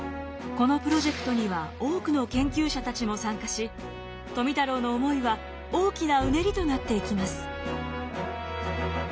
このプロジェクトには多くの研究者たちも参加し富太郎の思いは大きなうねりとなっていきます。